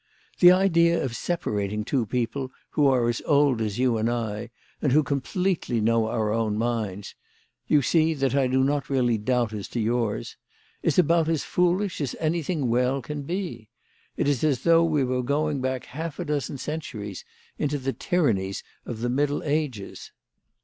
" The idea of separating two people who are as old as you and I, and who completely know our own minds, you see that I do not really doubt as to yours, is about as foolish as anything well can be. It is as though we were going back half a dozen centuries into the tyrannies of the middle ages.